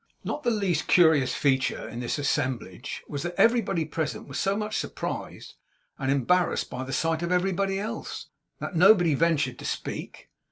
Not the least curious feature in this assemblage was, that everybody present was so much surprised and embarrassed by the sight of everybody else, that nobody ventured to speak.